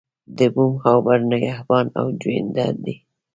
د بوم او بر نگهبان او جوینده دی.